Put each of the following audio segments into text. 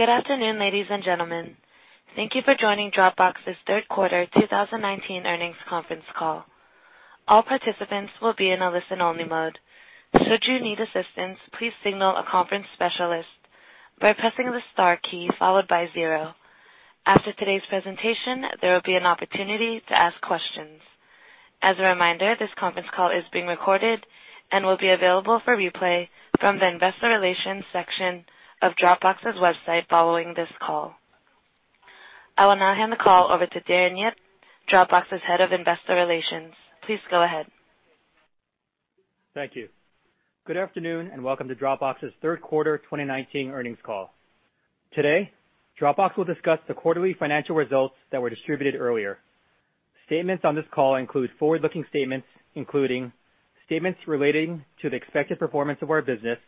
Good afternoon, ladies and gentlemen. Thank you for joining Dropbox's third quarter 2019 earnings conference call. All participants will be in a listen-only mode. Should you need assistance, please signal a conference specialist by pressing the star key followed by zero. After today's presentation, there will be an opportunity to ask questions. As a reminder, this conference call is being recorded and will be available for replay from the investor relations section of Dropbox's website following this call. I will now hand the call over to Darren Yip, Dropbox's Head of Investor Relations. Please go ahead. Thank you. Good afternoon. Welcome to Dropbox's third quarter 2019 earnings call. Today, Dropbox will discuss the quarterly financial results that were distributed earlier. Statements on this call include forward-looking statements, including statements relating to the expected performance of our business,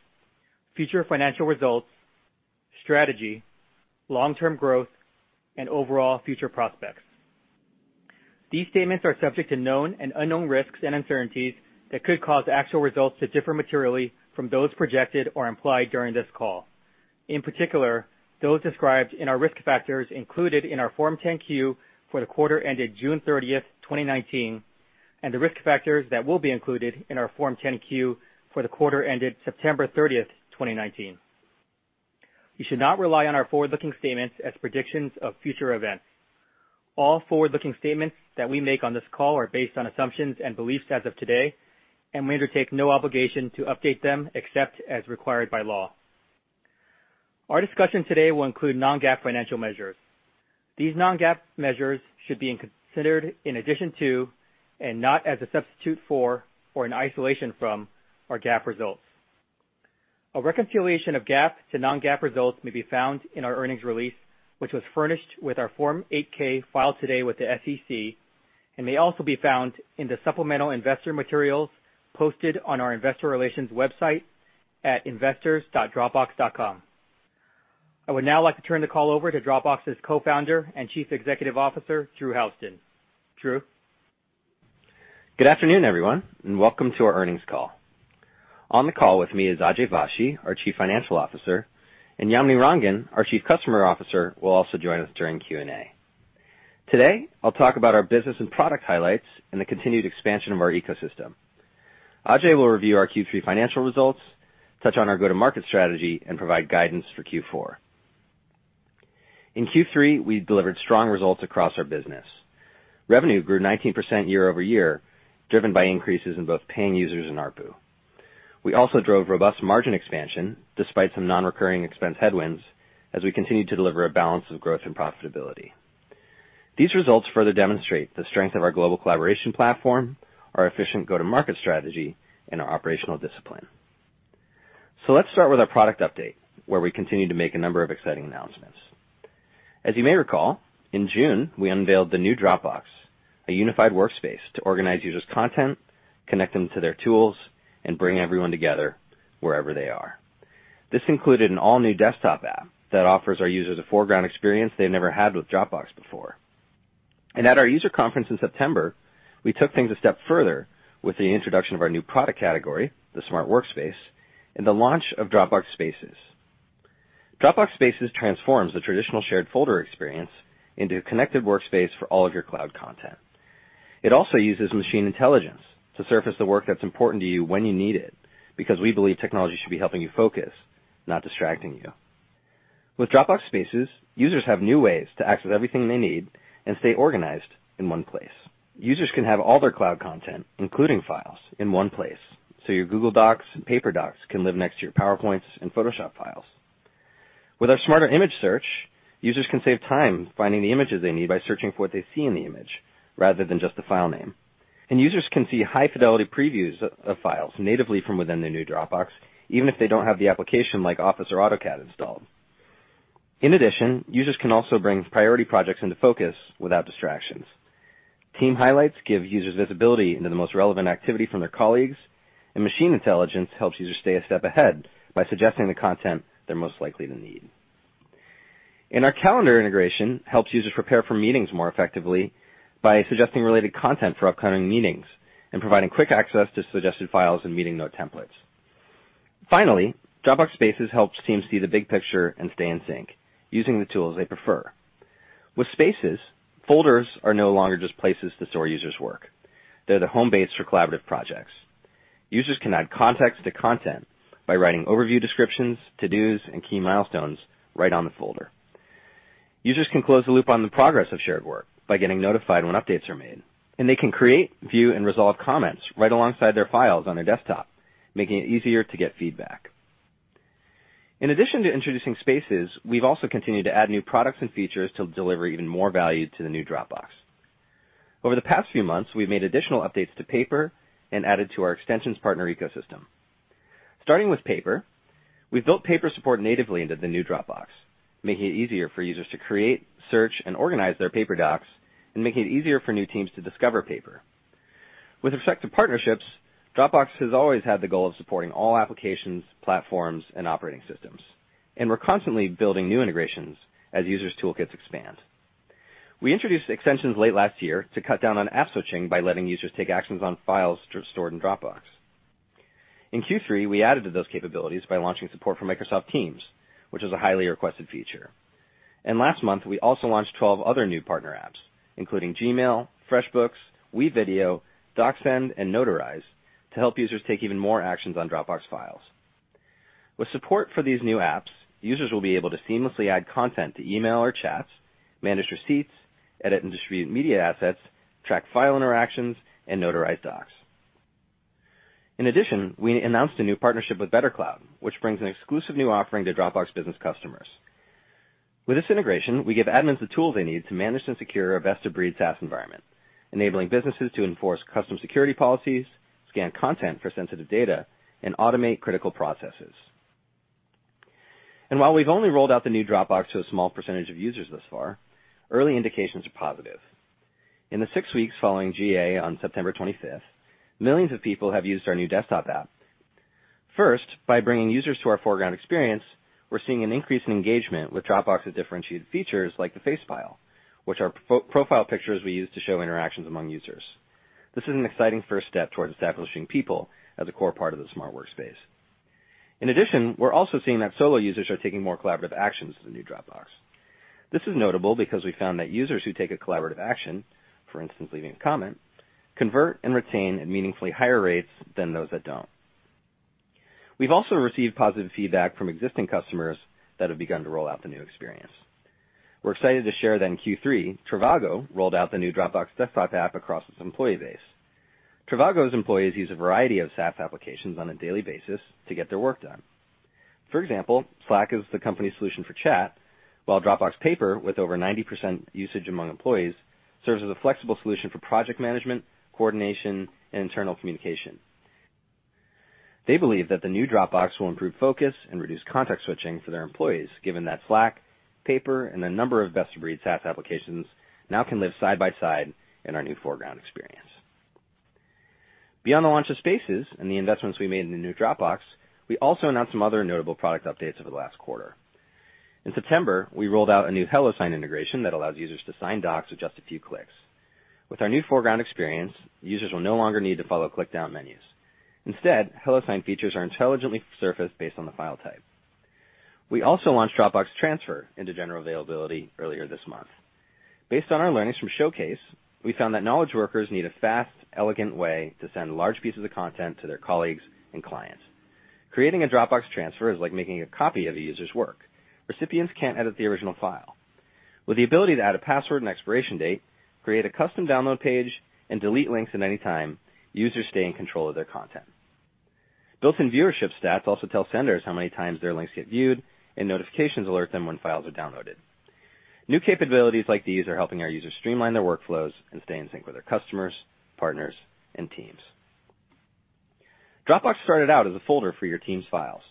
future financial results, strategy, long-term growth, and overall future prospects. These statements are subject to known and unknown risks and uncertainties that could cause actual results to differ materially from those projected or implied during this call. In particular, those described in our risk factors included in our Form 10-Q for the quarter ended June 30th, 2019, and the risk factors that will be included in our Form 10-Q for the quarter ended September 30th, 2019. You should not rely on our forward-looking statements as predictions of future events. All forward-looking statements that we make on this call are based on assumptions and beliefs as of today, and we undertake no obligation to update them except as required by law. Our discussion today will include non-GAAP financial measures. These non-GAAP measures should be considered in addition to, and not as a substitute for or in isolation from, our GAAP results. A reconciliation of GAAP to non-GAAP results may be found in our earnings release, which was furnished with our Form 8-K filed today with the SEC and may also be found in the supplemental investor materials posted on our investor relations website at investors.dropbox.com. I would now like to turn the call over to Dropbox's Co-Founder and Chief Executive Officer, Drew Houston. Drew? Good afternoon, everyone, and welcome to our earnings call. On the call with me is Ajay Vashee, our Chief Financial Officer, and Yamini Rangan, our Chief Customer Officer, will also join us during Q&A. Today, I'll talk about our business and product highlights and the continued expansion of our ecosystem. Ajay will review our Q3 financial results, touch on our go-to-market strategy, and provide guidance for Q4. In Q3, we delivered strong results across our business. Revenue grew 19% year-over-year, driven by increases in both paying users and ARPU. We also drove robust margin expansion despite some non-recurring expense headwinds as we continued to deliver a balance of growth and profitability. These results further demonstrate the strength of our global collaboration platform, our efficient go-to-market strategy, and our operational discipline. Let's start with our product update, where we continue to make a number of exciting announcements. As you may recall, in June, we unveiled the new Dropbox, a unified workspace to organize users' content, connect them to their tools, and bring everyone together wherever they are. This included an all-new desktop app that offers our users a foreground experience they never had with Dropbox before. At our user conference in September, we took things a step further with the introduction of our new product category, the Smart Workspace, and the launch of Dropbox Spaces. Dropbox Spaces transforms the traditional shared folder experience into a connected workspace for all of your cloud content. It also uses machine intelligence to surface the work that's important to you when you need it, because we believe technology should be helping you focus, not distracting you. With Dropbox Spaces, users have new ways to access everything they need and stay organized in one place. Users can have all their cloud content, including files, in one place, so your Google Docs and Paper can live next to your PowerPoints and Photoshop. Users can see high-fidelity previews of files natively from within their new Dropbox, even if they don't have the application like Office or AutoCAD installed. In addition, users can also bring priority projects into focus without distractions. Team highlights give users visibility into the most relevant activity from their colleagues, and machine intelligence helps users stay a step ahead by suggesting the content they're most likely to need. Our calendar integration helps users prepare for meetings more effectively by suggesting related content for upcoming meetings and providing quick access to suggested files and meeting note templates. Finally, Dropbox Spaces helps teams see the big picture and stay in sync using the tools they prefer. With Spaces, folders are no longer just places to store users' work. They're the home base for collaborative projects. Users can add context to content by writing overview descriptions, to-dos, and key milestones right on the folder. Users can close the loop on the progress of shared work by getting notified when updates are made, and they can create, view, and resolve comments right alongside their files on their desktop, making it easier to get feedback. In addition to introducing Spaces, we've also continued to add new products and features to deliver even more value to the new Dropbox. Over the past few months, we've made additional updates to Paper and added to our extensions partner ecosystem. Starting with Paper, we've built Paper support natively into the new Dropbox, making it easier for users to create, search, and organize their Paper docs and making it easier for new teams to discover Paper. With respect to partnerships, Dropbox has always had the goal of supporting all applications, platforms, and operating systems, and we're constantly building new integrations as users' toolkits expand. We introduced extensions late last year to cut down on app switching by letting users take actions on files stored in Dropbox. In Q3, we added to those capabilities by launching support for Microsoft Teams, which is a highly requested feature. Last month, we also launched 12 other new partner apps, including Gmail, FreshBooks, WeVideo, DocSend, and Notarize, to help users take even more actions on Dropbox files. With support for these new apps, users will be able to seamlessly add content to email or chats, manage receipts, edit and distribute media assets, track file interactions, and notarize docs. In addition, we announced a new partnership with BetterCloud, which brings an exclusive new offering to Dropbox business customers. With this integration, we give admins the tools they need to manage and secure a best-of-breed SaaS environment, enabling businesses to enforce custom security policies, scan content for sensitive data, and automate critical processes. While we've only rolled out the new Dropbox to a small percentage of users thus far, early indications are positive. In the six weeks following GA on September 25th, millions of people have used our new desktop app. First, by bringing users to our foreground experience, we're seeing an increase in engagement with Dropbox's differentiated features like the facepile, which are profile pictures we use to show interactions among users. This is an exciting first step towards establishing people as a core part of the smart workspace. In addition, we're also seeing that solo users are taking more collaborative actions in the new Dropbox. This is notable because we found that users who take a collaborative action, for instance, leaving a comment, convert and retain at meaningfully higher rates than those that don't. We've also received positive feedback from existing customers that have begun to roll out the new experience. We're excited to share that in Q3, trivago rolled out the new Dropbox desktop app across its employee base. trivago's employees use a variety of SaaS applications on a daily basis to get their work done. For example, Slack is the company's solution for chat, while Dropbox Paper, with over 90% usage among employees, serves as a flexible solution for project management, coordination, and internal communication. They believe that the new Dropbox will improve focus and reduce context switching for their employees, given that Slack, Paper, and a number of best-of-breed SaaS applications now can live side by side in our new foreground experience. Beyond the launch of Spaces and the investments we made in the new Dropbox, we also announced some other notable product updates over the last quarter. In September, we rolled out a new HelloSign integration that allows users to sign docs with just a few clicks. With our new foreground experience, users will no longer need to follow click-down menus. Instead, HelloSign features are intelligently surfaced based on the file type. We also launched Dropbox Transfer into general availability earlier this month. Based on our learnings from Showcase, we found that knowledge workers need a fast, elegant way to send large pieces of content to their colleagues and clients. Creating a Dropbox Transfer is like making a copy of a user's work. Recipients can't edit the original file. With the ability to add a password and expiration date, create a custom download page, and delete links at any time, users stay in control of their content. Built-in viewership stats also tell senders how many times their links get viewed, and notifications alert them when files are downloaded. New capabilities like these are helping our users streamline their workflows and stay in sync with their customers, partners, and teams. Dropbox started out as a folder for your team's files.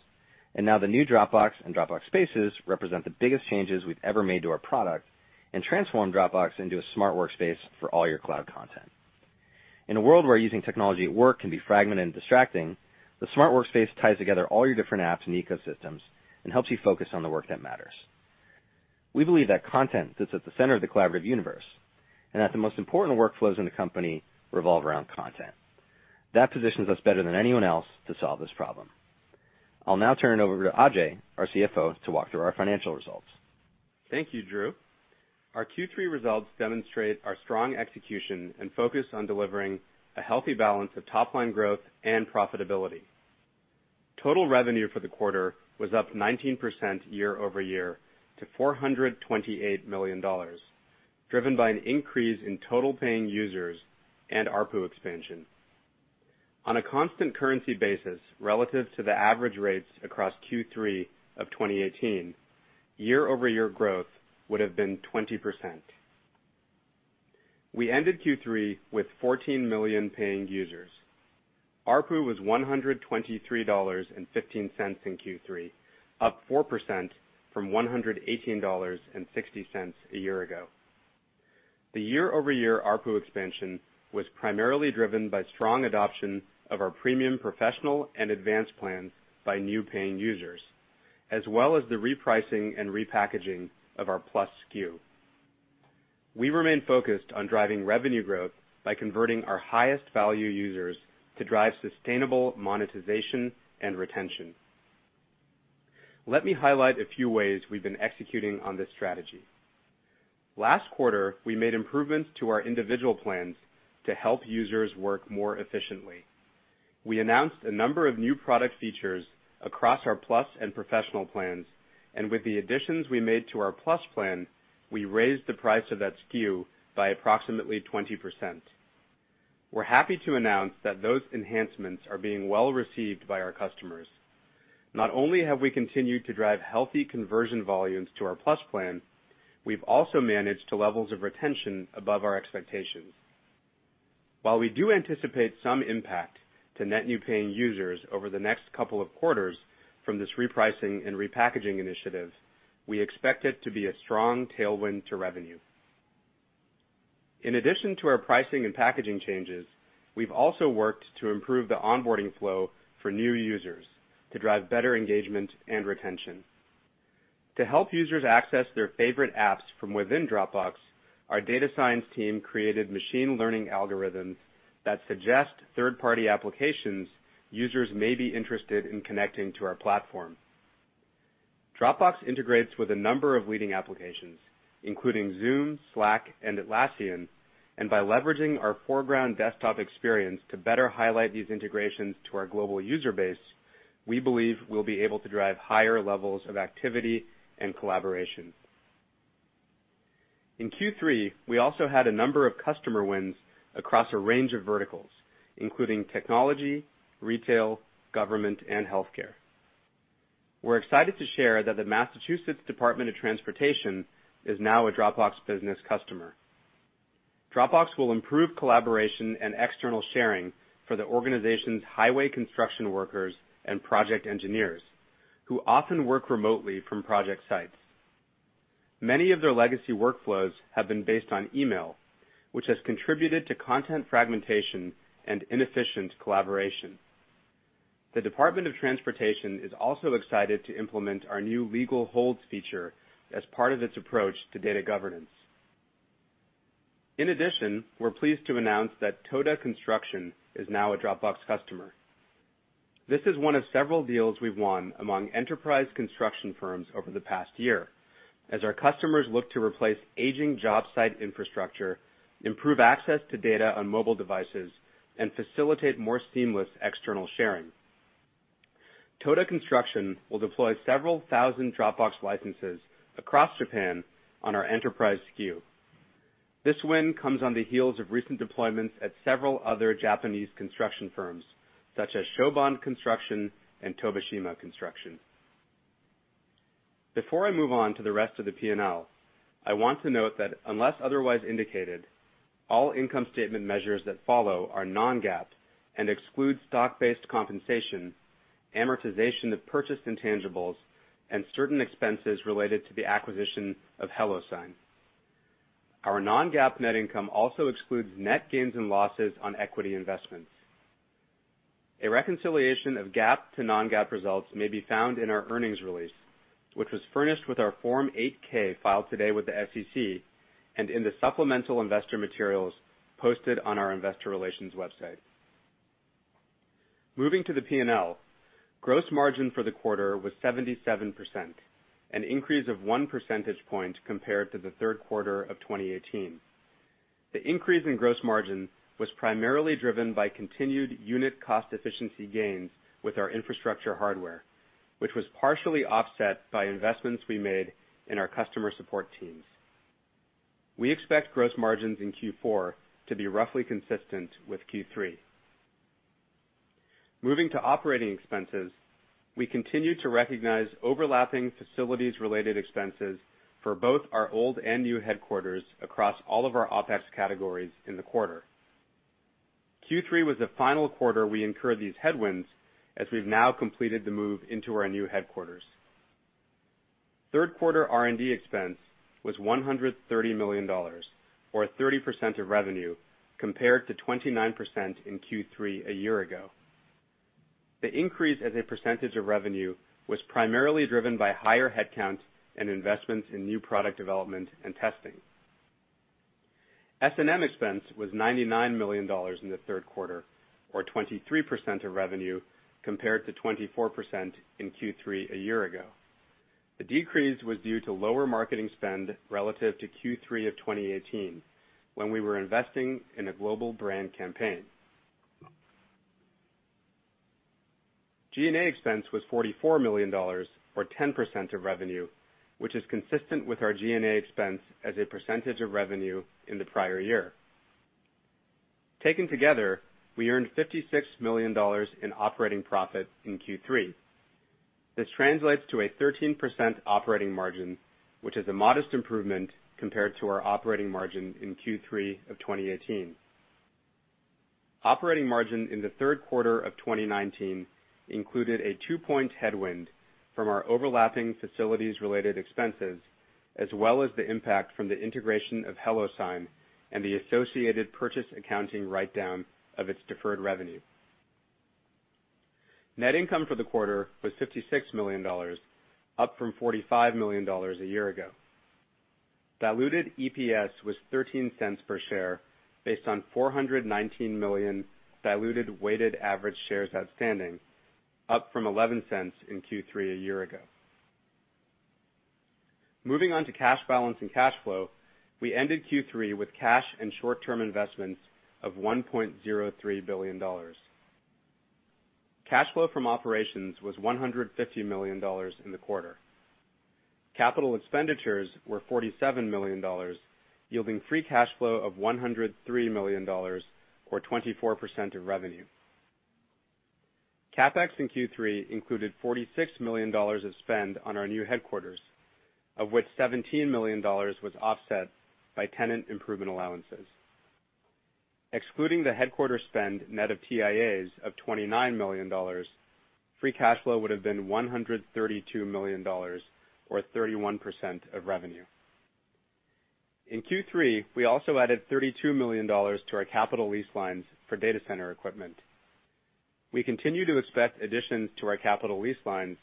Now the new Dropbox and Dropbox Spaces represent the biggest changes we've ever made to our product and transform Dropbox into a smart workspace for all your cloud content. In a world where using technology at work can be fragmented and distracting, the smart workspace ties together all your different apps and ecosystems and helps you focus on the work that matters. We believe that content sits at the center of the collaborative universe and that the most important workflows in a company revolve around content. That positions us better than anyone else to solve this problem. I'll now turn it over to Ajay, our CFO, to walk through our financial results. Thank you, Drew. Our Q3 results demonstrate our strong execution and focus on delivering a healthy balance of top-line growth and profitability. Total revenue for the quarter was up 19% year-over-year to $428 million, driven by an increase in total paying users and ARPU expansion. On a constant currency basis relative to the average rates across Q3 of 2018, year-over-year growth would have been 20%. We ended Q3 with 14 million paying users. ARPU was $123.15 in Q3, up 4% from $118.60 a year ago. The year-over-year ARPU expansion was primarily driven by strong adoption of our premium professional and advanced plans by new paying users, as well as the repricing and repackaging of our Plus SKU. We remain focused on driving revenue growth by converting our highest value users to drive sustainable monetization and retention. Let me highlight a few ways we've been executing on this strategy. Last quarter, we made improvements to our individual plans to help users work more efficiently. We announced a number of new product features across our Plus and Professional Plans, and with the additions we made to our Plus plan, we raised the price of that SKU by approximately 20%. We're happy to announce that those enhancements are being well-received by our customers. Not only have we continued to drive healthy conversion volumes to our Plus plan, we've also managed to levels of retention above our expectations. While we do anticipate some impact to net new paying users over the next couple of quarters from this repricing and repackaging initiative, we expect it to be a strong tailwind to revenue. In addition to our pricing and packaging changes, we've also worked to improve the onboarding flow for new users to drive better engagement and retention. To help users access their favorite apps from within Dropbox, our data science team created machine learning algorithms that suggest third-party applications users may be interested in connecting to our platform. Dropbox integrates with a number of leading applications, including Zoom, Slack, and Atlassian, and by leveraging our foreground desktop experience to better highlight these integrations to our global user base, we believe we'll be able to drive higher levels of activity and collaboration. In Q3, we also had a number of customer wins across a range of verticals, including technology, retail, government, and healthcare. We're excited to share that the Massachusetts Department of Transportation is now a Dropbox business customer. Dropbox will improve collaboration and external sharing for the organization's highway construction workers and project engineers, who often work remotely from project sites. Many of their legacy workflows have been based on email, which has contributed to content fragmentation and inefficient collaboration. The Department of Transportation is also excited to implement our new legal holds feature as part of its approach to data governance. In addition, we're pleased to announce that Toda Corporation is now a Dropbox customer. This is one of several deals we've won among enterprise construction firms over the past year, as our customers look to replace aging job site infrastructure, improve access to data on mobile devices, and facilitate more seamless external sharing. Toda Corporation will deploy several thousand Dropbox licenses across Japan on our enterprise SKU. This win comes on the heels of recent deployments at several other Japanese construction firms, such as Soban Construction and Tobishima Corporation. Before I move on to the rest of the P&L, I want to note that unless otherwise indicated, all income statement measures that follow are non-GAAP, and exclude stock-based compensation, amortization of purchased intangibles, and certain expenses related to the acquisition of HelloSign. Our non-GAAP net income also excludes net gains and losses on equity investments. A reconciliation of GAAP to non-GAAP results may be found in our earnings release, which was furnished with our Form 8-K filed today with the SEC, and in the supplemental investor materials posted on our investor relations website. Moving to the P&L, gross margin for the quarter was 77%, an increase of one percentage point compared to the third quarter of 2018. The increase in gross margin was primarily driven by continued unit cost efficiency gains with our infrastructure hardware, which was partially offset by investments we made in our customer support teams. We expect gross margins in Q4 to be roughly consistent with Q3. Moving to operating expenses, we continue to recognize overlapping facilities-related expenses for both our old and new headquarters across all of our OpEx categories in the quarter. Q3 was the final quarter we incurred these headwinds, as we've now completed the move into our new headquarters. Third quarter R&D expense was $130 million, or 30% of revenue, compared to 29% in Q3 a year ago. The increase as a percentage of revenue was primarily driven by higher headcount and investments in new product development and testing. S&M expense was $99 million in the third quarter, or 23% of revenue, compared to 24% in Q3 a year ago. The decrease was due to lower marketing spend relative to Q3 of 2018, when we were investing in a global brand campaign. G&A expense was $44 million, or 10% of revenue, which is consistent with our G&A expense as a percentage of revenue in the prior year. Taken together, we earned $56 million in operating profit in Q3. This translates to a 13% operating margin, which is a modest improvement compared to our operating margin in Q3 of 2018. Operating margin in the third quarter of 2019 included a two-point headwind from our overlapping facilities-related expenses, as well as the impact from the integration of HelloSign, and the associated purchase accounting write-down of its deferred revenue. Net income for the quarter was $56 million, up from $45 million a year ago. Diluted EPS was $0.13 per share based on 419 million diluted weighted average shares outstanding, up from $0.11 in Q3 a year ago. Moving on to cash balance and cash flow, we ended Q3 with cash and short-term investments of $1.03 billion. Cash flow from operations was $150 million in the quarter. Capital expenditures were $47 million, yielding free cash flow of $103 million, or 24% of revenue. CapEx in Q3 included $46 million of spend on our new headquarters, of which $17 million was offset by tenant improvement allowances. Excluding the headquarter spend net of TIAs of $29 million, free cash flow would have been $132 million or 31% of revenue. In Q3, we also added $32 million to our capital lease lines for data center equipment. We continue to expect additions to our capital lease lines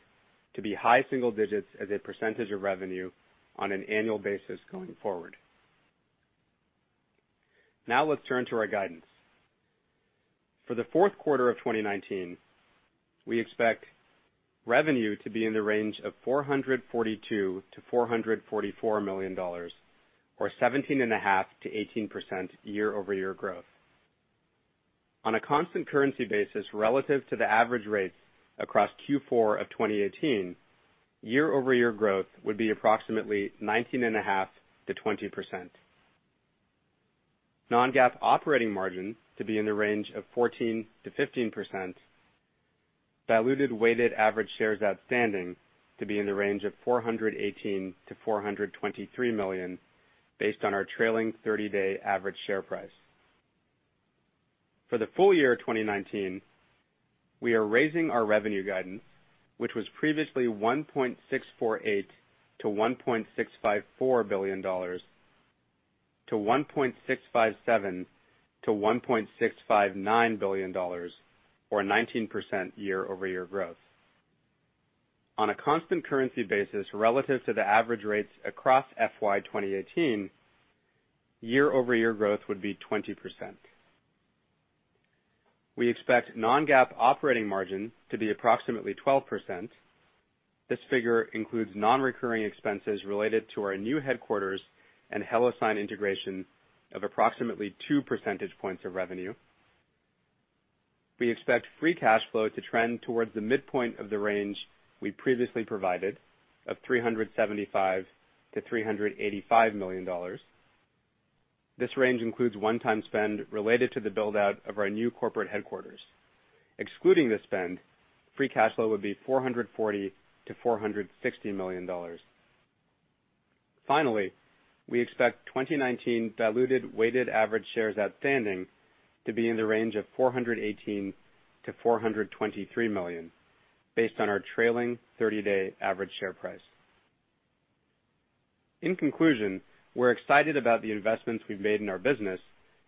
to be high single digits as a percentage of revenue on an annual basis going forward. Now let's turn to our guidance. For the fourth quarter of 2019, we expect revenue to be in the range of $442 million-$444 million, or 17.5%-18% year-over-year growth. On a constant currency basis, relative to the average rates across Q4 of 2018, year-over-year growth would be approximately 19.5%-20%. Non-GAAP operating margin to be in the range of 14%-15%. Diluted weighted average shares outstanding to be in the range of 418 million-423 million based on our trailing 30-day average share price. For the full year 2019, we are raising our revenue guidance, which was previously $1.648 billion-$1.654 billion, to $1.657 billion-$1.659 billion, or 19% year-over-year growth. On a constant currency basis relative to the average rates across FY 2018, year-over-year growth would be 20%. We expect non-GAAP operating margin to be approximately 12%. This figure includes non-recurring expenses related to our new headquarters and HelloSign integration of approximately two percentage points of revenue. We expect free cash flow to trend towards the midpoint of the range we previously provided of $375 million-$385 million. This range includes one-time spend related to the build-out of our new corporate headquarters. Excluding this spend, free cash flow would be $440 million-$460 million. Finally, we expect 2019 diluted weighted average shares outstanding to be in the range of 418 million-423 million based on our trailing 30-day average share price. In conclusion, we're excited about the investments we've made in our business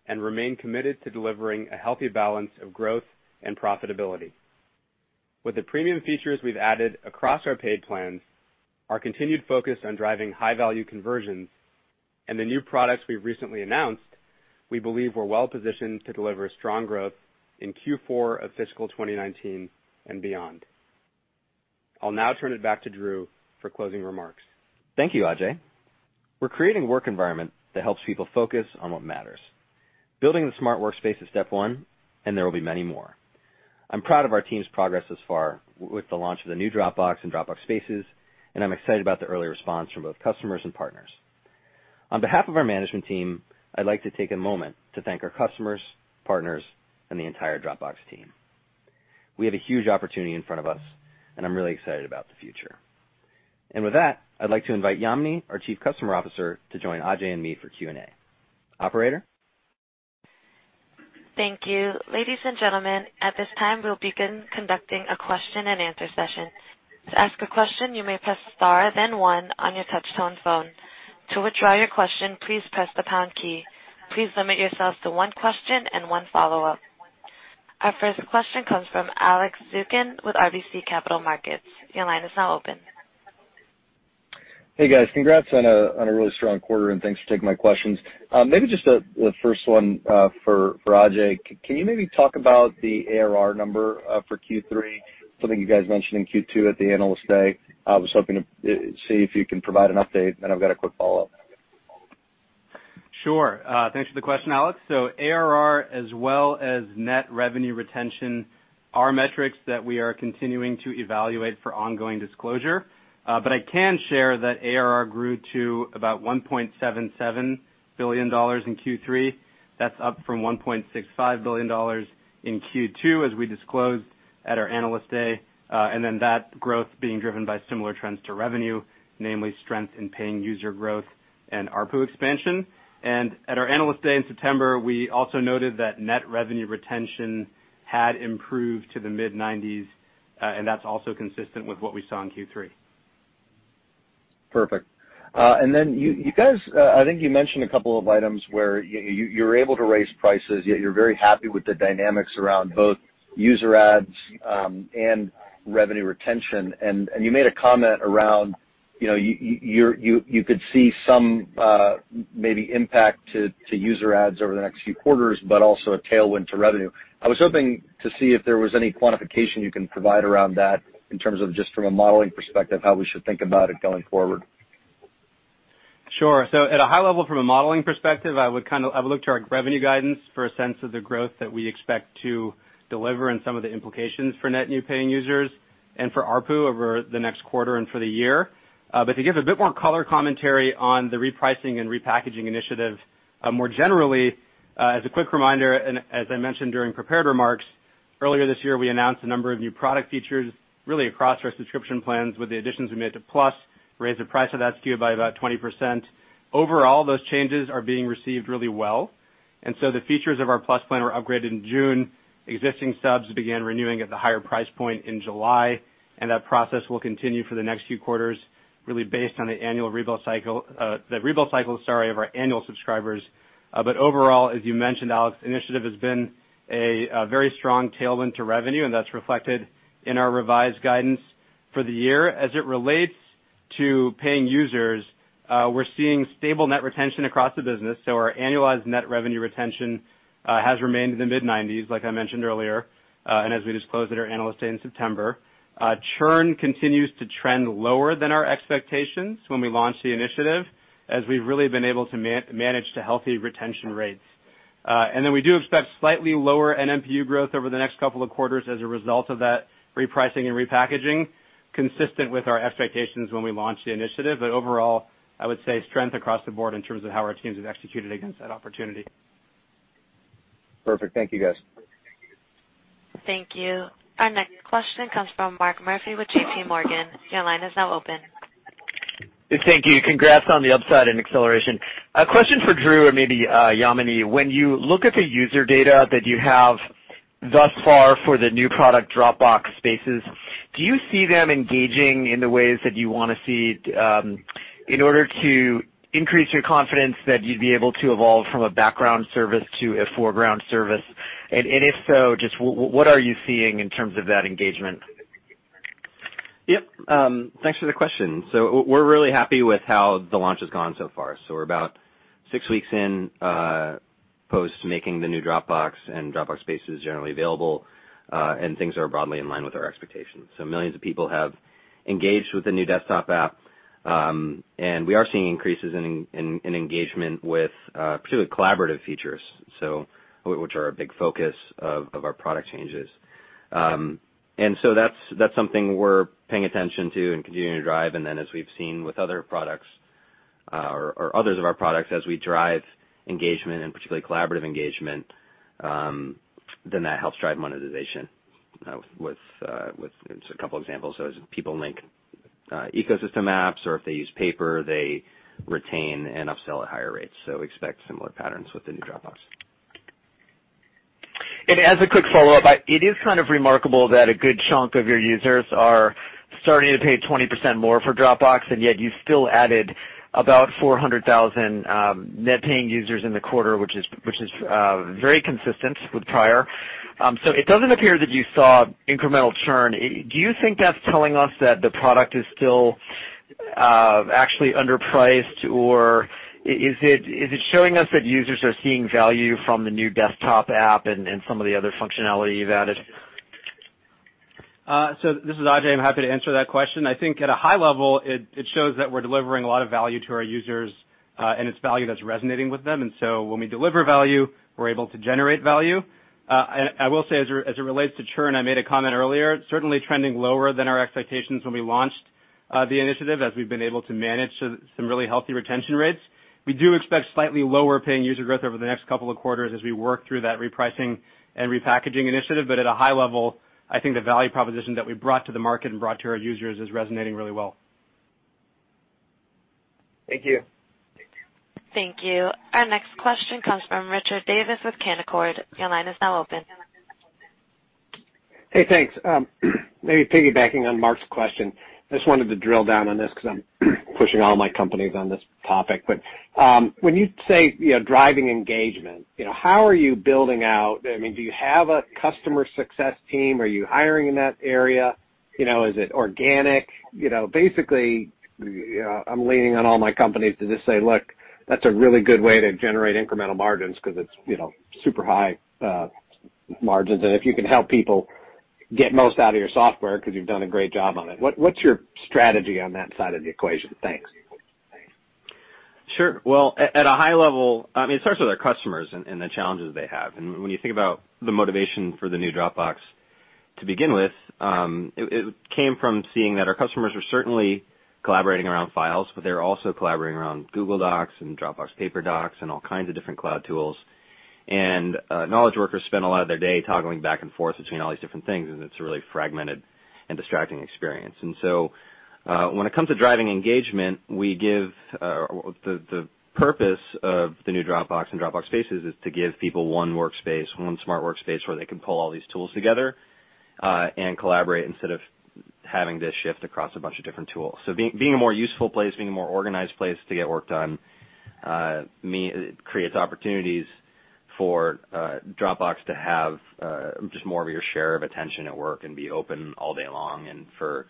and remain committed to delivering a healthy balance of growth and profitability. With the premium features we've added across our paid plans, our continued focus on driving high-value conversions, and the new products we've recently announced, we believe we're well-positioned to deliver strong growth in Q4 of fiscal 2019 and beyond. I'll now turn it back to Drew for closing remarks. Thank you, Ajay. We're creating a work environment that helps people focus on what matters. Building the smart workspace is step one, and there will be many more. I'm proud of our team's progress thus far with the launch of the new Dropbox and Dropbox Spaces, and I'm excited about the early response from both customers and partners. On behalf of our management team, I'd like to take a moment to thank our customers, partners, and the entire Dropbox team. We have a huge opportunity in front of us, and I'm really excited about the future. With that, I'd like to invite Yamini, our Chief Customer Officer, to join Ajay and me for Q&A. Operator? Thank you. Ladies and gentlemen, at this time, we'll begin conducting a question-and-answer session. To ask a question, you may press star then one on your touch-tone phone. To withdraw your question, please press the pound key. Please limit yourself to one question and one follow-up. Our first question comes from Alex Zukin with RBC Capital Markets. Your line is now open. Hey, guys. Congrats on a really strong quarter, and thanks for taking my questions. Just the first one for Ajay Vashee. Can you maybe talk about the ARR number for Q3, something you guys mentioned in Q2 at the Analyst Day. I was hoping to see if you can provide an update, then I've got a quick follow-up. Sure. Thanks for the question, Alex. ARR as well as net revenue retention are metrics that we are continuing to evaluate for ongoing disclosure. I can share that ARR grew to about $1.77 billion in Q3. That's up from $1.65 billion in Q2, as we disclosed at our Analyst Day. That growth being driven by similar trends to revenue, namely strength in paying user growth and ARPU expansion. At our Analyst Day in September, we also noted that net revenue retention had improved to the mid-90s, and that's also consistent with what we saw in Q3. Perfect. Then you guys, I think you mentioned a couple of items where you're able to raise prices, yet you're very happy with the dynamics around both user adds and revenue retention. You made a comment around you could see some maybe impact to user adds over the next few quarters, but also a tailwind to revenue. I was hoping to see if there was any quantification you can provide around that in terms of just from a modeling perspective, how we should think about it going forward? Sure. At a high level from a modeling perspective, I would look to our revenue guidance for a sense of the growth that we expect to deliver and some of the implications for net new paying users and for ARPU over the next quarter and for the year. To give a bit more color commentary on the repricing and repackaging initiative, more generally, as a quick reminder, and as I mentioned during prepared remarks earlier this year, we announced a number of new product features really across our subscription plans with the additions we made to Plus, raised the price of that SKU by about 20%. Overall, those changes are being received really well. The features of our Plus plan were upgraded in June. Existing subs began renewing at the higher price point in July, that process will continue for the next few quarters, really based on the annual renewal cycle of our annual subscribers. Overall, as you mentioned, Alex, initiative has been a very strong tailwind to revenue, and that's reflected in our revised guidance for the year. As it relates to paying users, we're seeing stable net retention across the business. Our annualized net revenue retention has remained in the mid-nineties, like I mentioned earlier, and as we disclosed at our Analyst Day in September. Churn continues to trend lower than our expectations when we launched the initiative, as we've really been able to manage to healthy retention rates. Then we do expect slightly lower NMPU growth over the next couple of quarters as a result of that repricing and repackaging, consistent with our expectations when we launched the initiative. Overall, I would say strength across the board in terms of how our teams have executed against that opportunity. Perfect. Thank you, guys. Thank you. Our next question comes from Mark Murphy with JPMorgan. Your line is now open. Thank you. Congrats on the upside and acceleration. A question for Drew or maybe Yamini. When you look at the user data that you have thus far for the new product, Dropbox Spaces, do you see them engaging in the ways that you want to see in order to increase your confidence that you'd be able to evolve from a background service to a foreground service? If so, just what are you seeing in terms of that engagement? Yep. Thanks for the question. We're really happy with how the launch has gone so far. We're about six weeks in post making the new Dropbox and Dropbox Spaces generally available, and things are broadly in line with our expectations. Millions of people have engaged with the new desktop app, and we are seeing increases in engagement with purely collaborative features, which are a big focus of our product changes. That's something we're paying attention to and continuing to drive, and then as we've seen with other products, or others of our products, as we drive engagement, and particularly collaborative engagement, then that helps drive monetization with a couple examples. As people link ecosystem apps or if they use Paper, they retain and upsell at higher rates. Expect similar patterns with the new Dropbox. As a quick follow-up, it is kind of remarkable that a good chunk of your users are starting to pay 20% more for Dropbox, and yet you've still added about 400,000 net paying users in the quarter, which is very consistent with prior. It doesn't appear that you saw incremental churn. Do you think that's telling us that the product is still actually underpriced, or is it showing us that users are seeing value from the new desktop app and some of the other functionality you've added? This is Ajay. I'm happy to answer that question. At a high level, it shows that we're delivering a lot of value to our users. It's value that's resonating with them. When we deliver value, we're able to generate value. I will say, as it relates to churn, I made a comment earlier, certainly trending lower than our expectations when we launched the initiative, as we've been able to manage some really healthy retention rates. We do expect slightly lower paying user growth over the next couple of quarters as we work through that repricing and repackaging initiative. At a high level, the value proposition that we brought to the market and brought to our users is resonating really well. Thank you. Thank you. Our next question comes from Richard Davis with Canaccord. Your line is now open. Hey, thanks. Maybe piggybacking on Mark's question, just wanted to drill down on this because I'm pushing all my companies on this topic. When you say driving engagement, how are you building out? Do you have a customer success team? Are you hiring in that area? Is it organic? Basically, I'm leaning on all my companies to just say, "Look, that's a really good way to generate incremental margins because it's super high margins, and if you can help people get most out of your software because you've done a great job on it." What's your strategy on that side of the equation? Thanks. Sure. Well, at a high level, it starts with our customers and the challenges they have. When you think about the motivation for the new Dropbox to begin with, it came from seeing that our customers were certainly collaborating around files, but they were also collaborating around Google Docs and Dropbox Paper docs and all kinds of different cloud tools. Knowledge workers spend a lot of their day toggling back and forth between all these different things, and it's a really fragmented and distracting experience. When it comes to driving engagement, the purpose of the new Dropbox and Dropbox Spaces is to give people one workspace, one smart workspace, where they can pull all these tools together, and collaborate instead of having to shift across a bunch of different tools. Being a more useful place, being a more organized place to get work done, creates opportunities for Dropbox to have just more of your share of attention at work and be open all day long, and for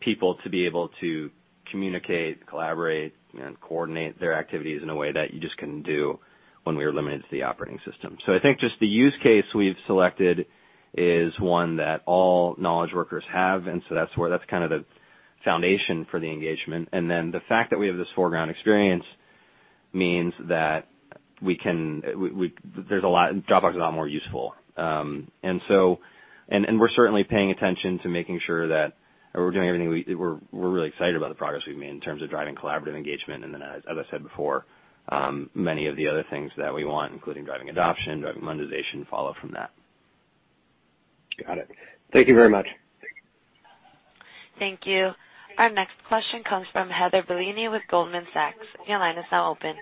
people to be able to communicate, collaborate, and coordinate their activities in a way that you just couldn't do when we were limited to the operating system. I think just the use case we've selected is one that all knowledge workers have, and so that's kind of the foundation for the engagement. Then the fact that we have this foreground experience means that Dropbox is a lot more useful. We're certainly paying attention to making sure that we're doing everything we're really excited about the progress we've made in terms of driving collaborative engagement. As I said before, many of the other things that we want, including driving adoption, driving monetization, follow from that. Got it. Thank you very much. Thank you. Our next question comes from Heather Bellini with Goldman Sachs. Your line is now open.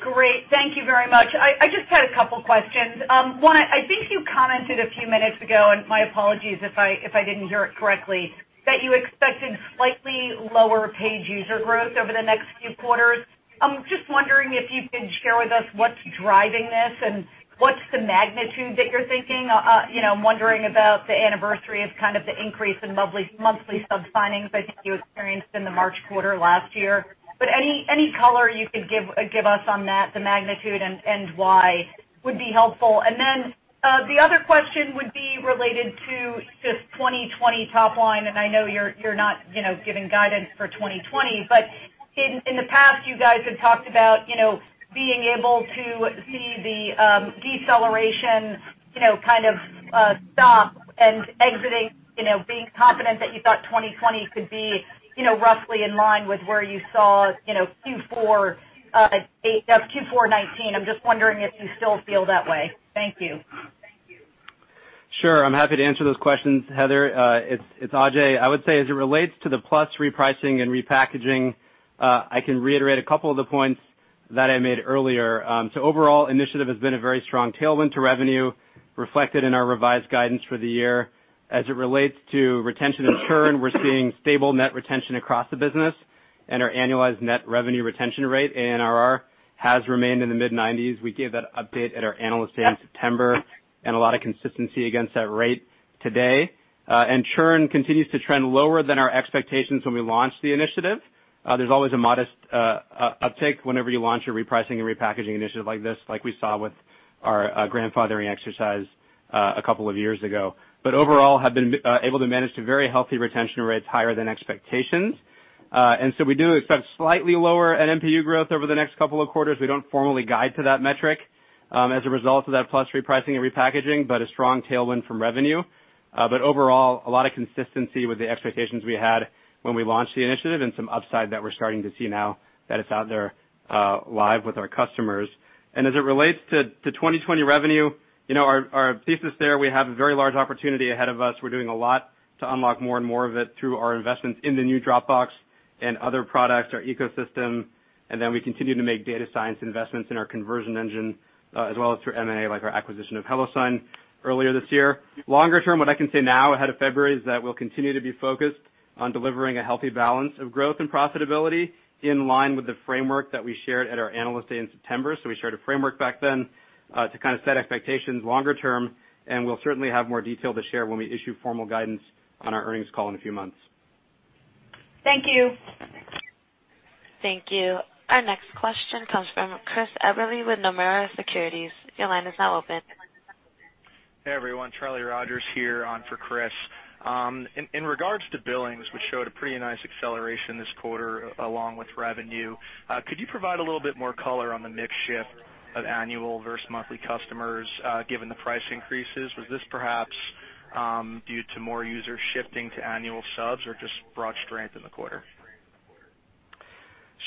Great. Thank you very much. I just had a couple questions. One, I think you commented a few minutes ago, and my apologies if I didn't hear it correctly, that you expected slightly lower paid user growth over the next few quarters. I'm just wondering if you could share with us what's driving this, and what's the magnitude that you're thinking. I'm wondering about the anniversary of kind of the increase in monthly sub signings I think you experienced in the March quarter last year. Any color you could give us on that, the magnitude and why, would be helpful. The other question would be related to just 2020 top line, and I know you're not giving guidance for 2020, but in the past, you guys had talked about being able to see the deceleration kind of stop and exiting, being confident that you thought 2020 could be roughly in line with where you saw Q4 2019. I'm just wondering if you still feel that way. Thank you. Sure. I'm happy to answer those questions, Heather. It's Ajay. I would say as it relates to the Plus repricing and repackaging, I can reiterate a couple of the points that I made earlier. Overall, initiative has been a very strong tailwind to revenue, reflected in our revised guidance for the year. As it relates to retention and churn, we're seeing stable net retention across the business. Our annualized net revenue retention rate, ANRR, has remained in the mid-90s. We gave that update at our Analyst Day in September. A lot of consistency against that rate today. Churn continues to trend lower than our expectations when we launched the initiative. There's always a modest uptick whenever you launch a repricing and repackaging initiative like this, like we saw with our grandfathering exercise a couple of years ago. Overall, have been able to manage to very healthy retention rates higher than expectations. We do expect slightly lower NMPU growth over the next couple of quarters. We don't formally guide to that metric as a result of that Plus repricing and repackaging, but a strong tailwind from revenue. Overall, a lot of consistency with the expectations we had when we launched the initiative and some upside that we're starting to see now that it's out there live with our customers. As it relates to 2020 revenue, our thesis there, we have a very large opportunity ahead of us. We're doing a lot to unlock more and more of it through our investments in the new Dropbox and other products, our ecosystem, and then we continue to make data science investments in our conversion engine, as well as through M&A, like our acquisition of HelloSign earlier this year. Longer term, what I can say now ahead of February is that we'll continue to be focused on delivering a healthy balance of growth and profitability in line with the framework that we shared at our Analyst Day in September. We shared a framework back then to set expectations longer term, and we'll certainly have more detail to share when we issue formal guidance on our earnings call in a few months. Thank you. Thank you. Our next question comes from Chris Eberle with Nomura Securities. Your line is now open. Hey, everyone. Charlie Rogers here on for Chris. In regards to billings, which showed a pretty nice acceleration this quarter along with revenue, could you provide a little bit more color on the mix shift of annual versus monthly customers, given the price increases? Was this perhaps due to more users shifting to annual subs or just broad strength in the quarter?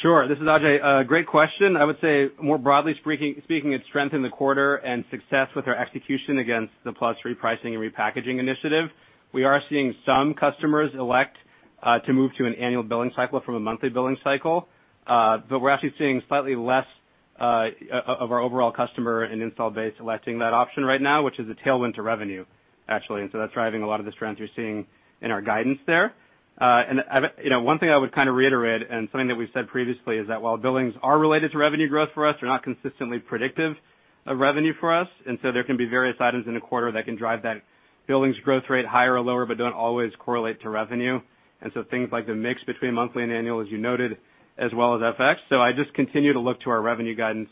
Sure. This is Ajay. Great question. I would say more broadly speaking, it's strength in the quarter and success with our execution against the Plus repricing and repackaging initiative. We are seeing some customers elect to move to an annual billing cycle from a monthly billing cycle. We're actually seeing slightly less of our overall customer and install base electing that option right now, which is a tailwind to revenue, actually. That's driving a lot of the strength you're seeing in our guidance there. One thing I would reiterate, and something that we've said previously, is that while billings are related to revenue growth for us, they're not consistently predictive of revenue for us. There can be various items in a quarter that can drive that billings growth rate higher or lower, but don't always correlate to revenue. Things like the mix between monthly and annual, as you noted, as well as FX. I'd just continue to look to our revenue guidance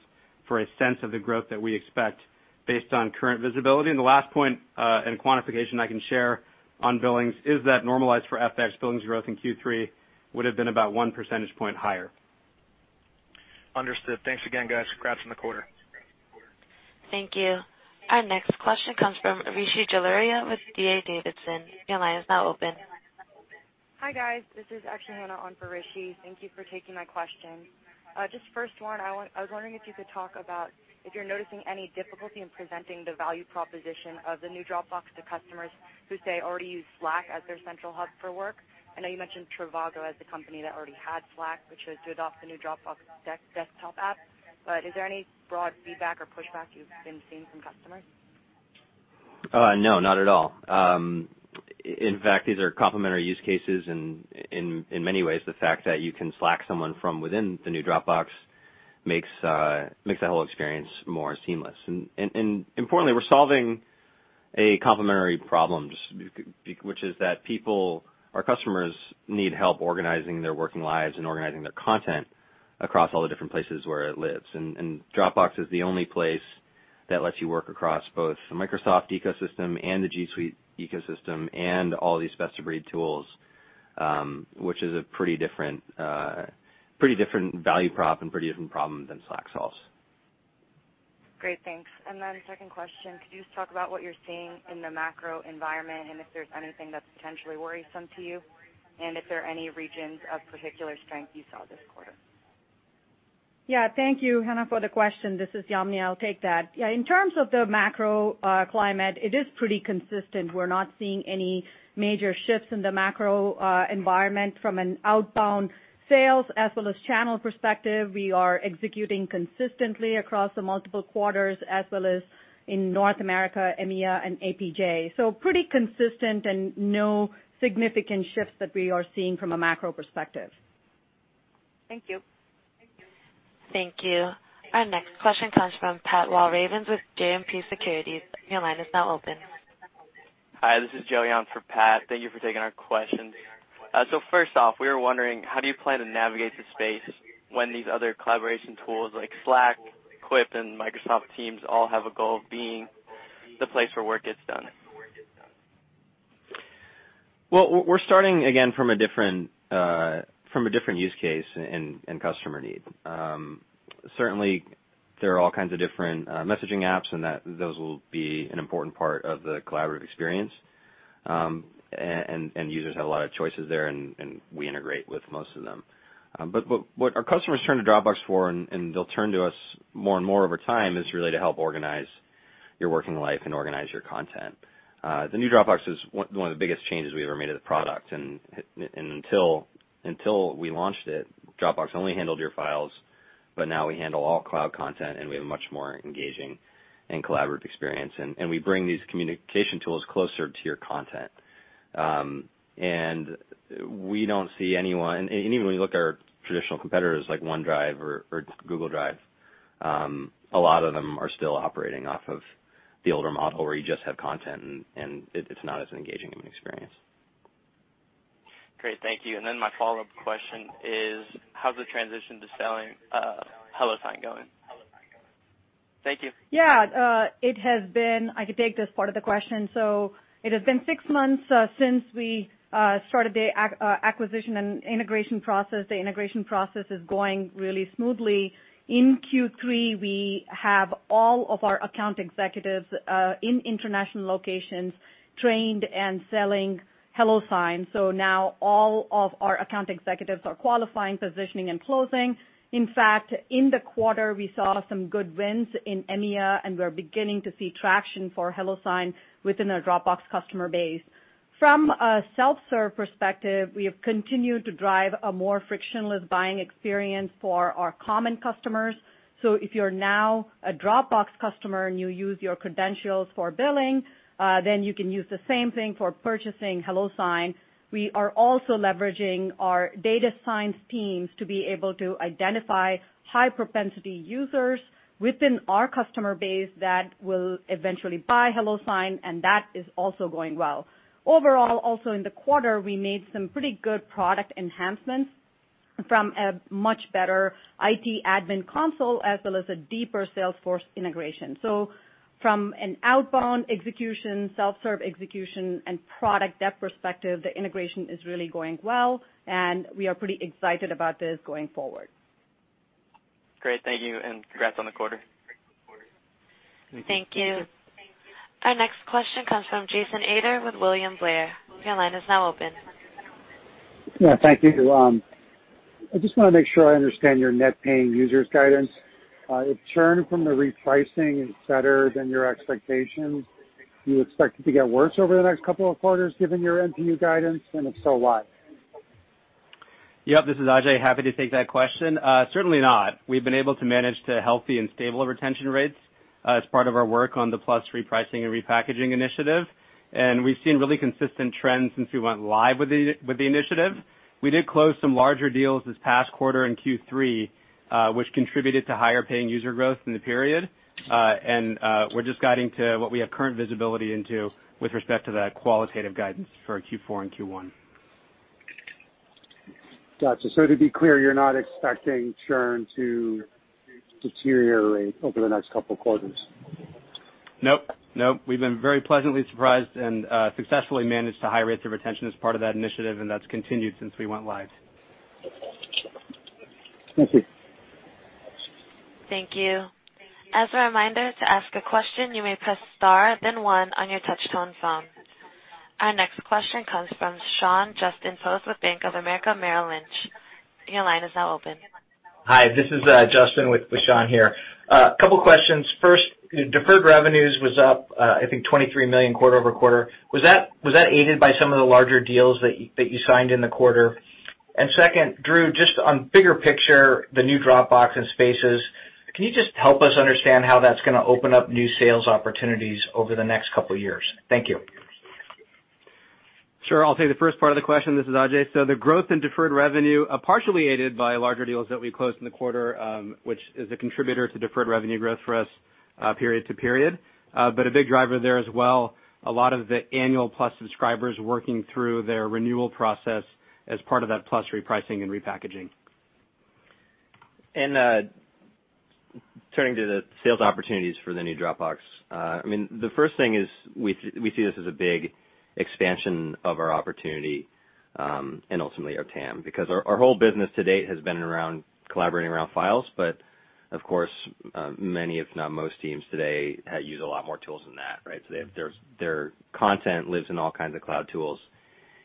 for a sense of the growth that we expect based on current visibility. The last point and quantification I can share on billings is that normalized for FX, billings growth in Q3 would've been about one percentage point higher. Understood. Thanks again, guys. Congrats on the quarter. Thank you. Our next question comes from Rishi Jaluria with D.A. Davidson. Your line is now open. Hi, guys. This is actually Hannah on for Rishi. Thank you for taking my question. Just first, wondering, I was wondering if you could talk about if you're noticing any difficulty in presenting the value proposition of the new Dropbox to customers who, say, already use Slack as their central hub for work. I know you mentioned trivago as the company that already had Slack, which has stood off the new Dropbox desktop app, but is there any broad feedback or pushback you've been seeing from customers? No, not at all. In fact, these are complementary use cases in many ways. The fact that you can Slack someone from within the new Dropbox makes the whole experience more seamless. Importantly, we're solving a complementary problem, which is that people, our customers, need help organizing their working lives and organizing their content across all the different places where it lives. Dropbox is the only place that lets you work across both the Microsoft ecosystem and the G Suite ecosystem and all these best-of-breed tools, which is a pretty different value prop and pretty different problem than Slack solves. Great. Thanks. Second question, could you just talk about what you're seeing in the macro environment, and if there's anything that's potentially worrisome to you? If there are any regions of particular strength you saw this quarter? Yeah. Thank you, Hannah, for the question. This is Yamini. I'll take that. Yeah, in terms of the macro climate, it is pretty consistent. We're not seeing any major shifts in the macro environment from an outbound sales as well as channel perspective. We are executing consistently across the multiple quarters as well as in North America, EMEA, and APJ. Pretty consistent and no significant shifts that we are seeing from a macro perspective. Thank you. Thank you. Our next question comes from Pat Walravens with JMP Securities. Your line is now open. Hi, this is Joey on for Pat. Thank you for taking our questions. First off, we were wondering, how do you plan to navigate the space when these other collaboration tools like Slack, Quip, and Microsoft Teams all have a goal of being the place where work gets done? Well, we're starting, again, from a different use case and customer need. Certainly, there are all kinds of different messaging apps, and those will be an important part of the collaborative experience. Users have a lot of choices there, and we integrate with most of them. What our customers turn to Dropbox for, and they'll turn to us more and more over time, is really to help organize your working life and organize your content. The new Dropbox is one of the biggest changes we ever made to the product, and until we launched it, Dropbox only handled your files, but now we handle all cloud content, and we have a much more engaging and collaborative experience, and we bring these communication tools closer to your content. Even when you look at our traditional competitors like OneDrive or Google Drive, a lot of them are still operating off of the older model where you just have content, and it's not as engaging of an experience. Great. Thank you. My follow-up question is, how's the transition to selling HelloSign going? Thank you. Yeah. I could take this part of the question. It has been 6 months since we started the acquisition and integration process. The integration process is going really smoothly. In Q3, we have all of our account executives in international locations trained and selling HelloSign. Now all of our account executives are qualifying, positioning, and closing. In fact, in the quarter, we saw some good wins in EMEA, and we're beginning to see traction for HelloSign within our Dropbox customer base. From a self-serve perspective, we have continued to drive a more frictionless buying experience for our common customers. If you're now a Dropbox customer, and you use your credentials for billing, then you can use the same thing for purchasing HelloSign. We are also leveraging our data science teams to be able to identify high-propensity users within our customer base that will eventually buy HelloSign, and that is also going well. Overall, also in the quarter, we made some pretty good product enhancements from a much better IT admin console as well as a deeper Salesforce integration. From an outbound execution, self-serve execution, and product depth perspective, the integration is really going well, and we are pretty excited about this going forward. Great. Thank you, and congrats on the quarter. Thank you. Our next question comes from Jason Ader with William Blair. Your line is now open. Yeah, thank you. I just want to make sure I understand your net paying users guidance. If churn from the repricing is better than your expectations, do you expect it to get worse over the next couple of quarters given your MPU guidance, and if so, why? Yep, this is Ajay. Happy to take that question. Certainly not. We've been able to manage to healthy and stable retention rates as part of our work on the Plus repricing and repackaging initiative, and we've seen really consistent trends since we went live with the initiative. We did close some larger deals this past quarter in Q3, which contributed to higher-paying user growth in the period. We're just guiding to what we have current visibility into with respect to that qualitative guidance for Q4 and Q1. Gotcha. To be clear, you're not expecting churn to deteriorate over the next couple of quarters? Nope. We've been very pleasantly surprised and successfully managed to high rates of retention as part of that initiative, and that's continued since we went live. Thank you. Thank you. As a reminder, to ask a question, you may press star then one on your touch-tone phone. Our next question comes from Sean Justin Post with Bank of America Merrill Lynch. Your line is now open. Hi, this is Justin with Sean here. A couple questions. First, deferred revenues was up, I think, $23 million quarter-over-quarter. Was that aided by some of the larger deals that you signed in the quarter? Second, Drew, just on bigger picture, the new Dropbox and Spaces, can you just help us understand how that's going to open up new sales opportunities over the next couple of years? Thank you. Sure. I'll take the first part of the question. This is Ajay. The growth in deferred revenue, partially aided by larger deals that we closed in the quarter, which is a contributor to deferred revenue growth for us period to period. A big driver there as well, a lot of the annual Plus subscribers working through their renewal process as part of that Plus repricing and repackaging. Turning to the sales opportunities for the new Dropbox. The first thing is we see this as a big expansion of our opportunity, and ultimately our TAM, because our whole business to date has been around collaborating around files. Of course, many if not most teams today use a lot more tools than that, right? Their content lives in all kinds of cloud tools.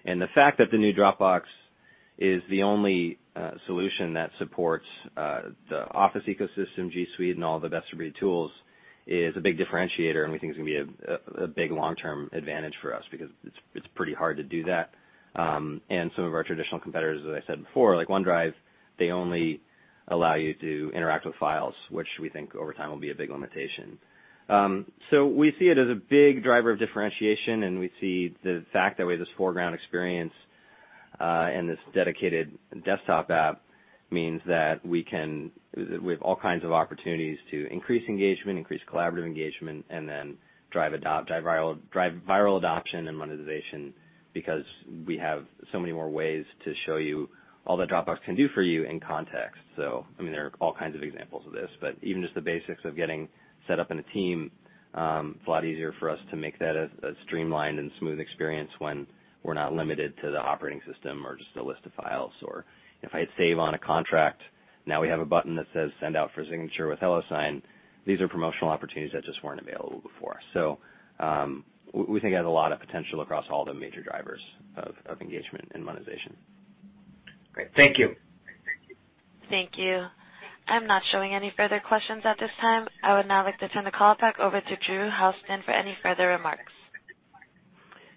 The fact that the new Dropbox is the only solution that supports the Office ecosystem, G Suite, and all the best-of-breed tools is a big differentiator and we think is going to be a big long-term advantage for us because it's pretty hard to do that. Some of our traditional competitors, as I said before, like OneDrive, they only allow you to interact with files, which we think over time will be a big limitation. We see it as a big driver of differentiation, and we see the fact that we have this foreground experience, and this dedicated desktop app means that we have all kinds of opportunities to increase engagement, increase collaborative engagement, and then drive viral adoption and monetization because we have so many more ways to show you all that Dropbox can do for you in context. There are all kinds of examples of this, but even just the basics of getting set up in a team, it's a lot easier for us to make that a streamlined and smooth experience when we're not limited to the operating system or just a list of files. If I hit save on a contract, now we have a button that says send out for signature with HelloSign. These are promotional opportunities that just weren't available before. We think it has a lot of potential across all the major drivers of engagement and monetization. Great. Thank you. Thank you. I'm not showing any further questions at this time. I would now like to turn the call back over to Drew Houston for any further remarks.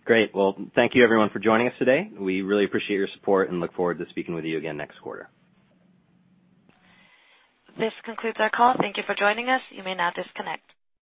Great. Well, thank you everyone for joining us today. We really appreciate your support and look forward to speaking with you again next quarter. This concludes our call. Thank you for joining us. You may now disconnect.